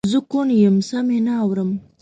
زه کوڼ یم سم یې نه اورم